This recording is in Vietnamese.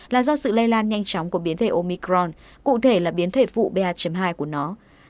là do sự lây lan nhanh chóng của biến thể omicron cụ thể là biến thể phụ ba hai của nó